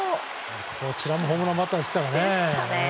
こちらもホームランバッターですからね。